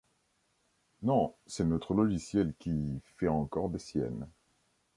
Non, c’est notre logiciel qui fait encore des siennes.